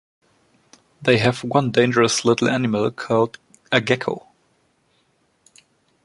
They have one dangerous little animal called a gecko.